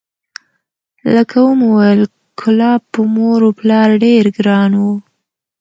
لکه ومو ویل کلاب په مور و پلار ډېر زیات ګران و،